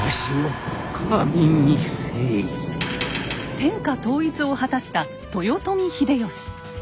天下統一を果たした豊臣秀吉。